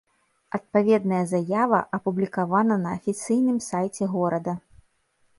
Адпаведная заява апублікавана на афіцыйным сайце горада.